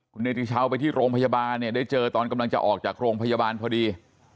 คุณเนติชาวไปที่โรงพยาบาลเนี่ยได้เจอตอนกำลังจะออกจากโรงพยาบาลพอดี